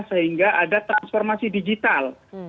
sehingga ada transformasi digital